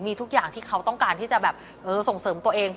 มีทุกอย่างที่เขาต้องการที่จะแบบส่งเสริมตัวเอง